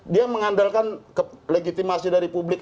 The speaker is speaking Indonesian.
dia mengandalkan legitimasi dari publik